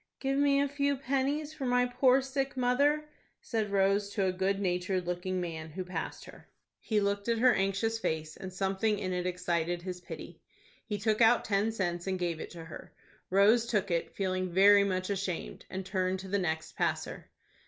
"Give me a few pennies for my poor sick mother," said Rose, to a good natured looking man who passed her. He looked at her anxious face, and something in it excited his pity. He took out ten cents, and gave it to her. Rose took it, feeling very much ashamed, and turned to the next passer.